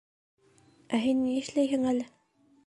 Ә һин ни эшләйһең әле?